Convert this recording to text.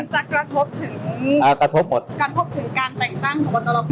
มันจะกระทบถึงการแต่งตั้งของคนตลอดภูมิ